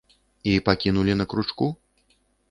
І пакінулі на кручку?